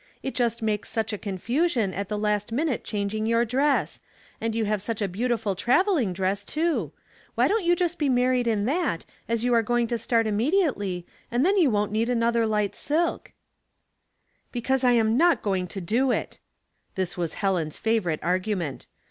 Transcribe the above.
It just makes such a confusion, at the last minute changing your dress ; and you have such a beau tiful traveling dress, too. Why don't you just be married in that, as you are going to start im mediately, and then you won't need another light silk ^" 156 Household Puzzles. " Because I am not going to do it '' This was Helen's favorite argument.